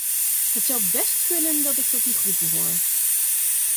Het zou best kunnen dat ik tot die groep behoor.